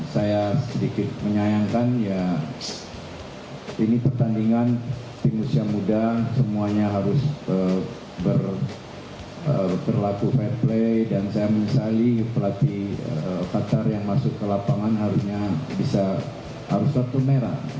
saya sedikit menyayangkan ya ini pertandingan tim usia muda semuanya harus berlaku fair play dan saya menyesali pelatih qatar yang masuk ke lapangan harusnya bisa harus kartu merah